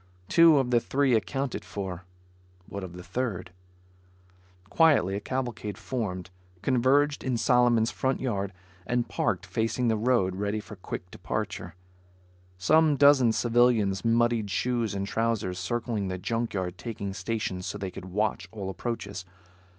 Two of the three accounted for. What of the third? Quietly a cavalcade formed, converged in Solomon's front yard and parked facing the road ready for quick departure. Some dozen civilians muddied shoes and trousers circling the junk yard, taking stations so they could watch all approaches.